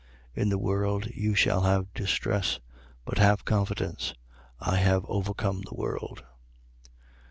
In the world you shall have distress. But have confidence. I have overcome the world.